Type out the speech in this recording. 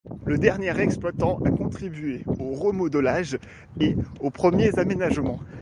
Le dernier exploitant a contribué au remodelage et aux premiers aménagements.